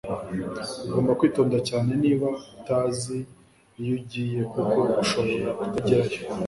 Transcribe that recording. Ugomba kwitonda cyane niba utazi iyo ugiye, kuko ushobora kutagerayo.”